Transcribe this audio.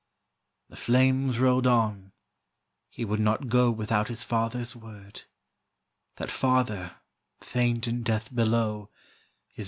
The flames rolled on; he would not go Without his father's word; That father, faint in death below, His voice no longer heard.